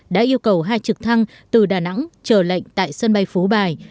đã yêu cầu hai trực thăng từ đà nẵng chờ lệnh tại sân bay phú bài